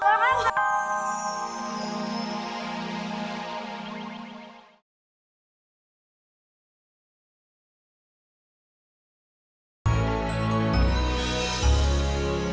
baik lah dua